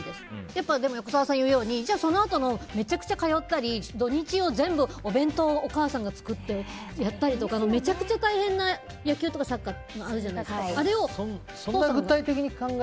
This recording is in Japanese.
やっぱり横澤さんが言うようにそのあとのめちゃくちゃ通ったり土日を全部お弁当をお母さんが作ってやったりとかめちゃくちゃ大変なのが野球とかサッカーあるじゃないですか。